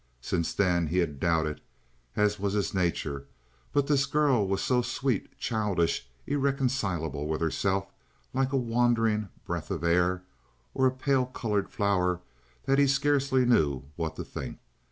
Since then he had doubted, as was his nature; but this girl was so sweet, childish, irreconcilable with herself, like a wandering breath of air, or a pale colored flower, that he scarcely knew what to think.